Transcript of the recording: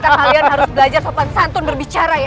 kita kalian harus belajar sopan santun berbicara ya